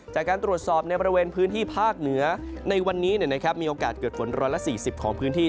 จากการตรวจสอบในบริเวณพื้นที่ภาคเหนือในวันนี้มีโอกาสเกิดฝน๑๔๐ของพื้นที่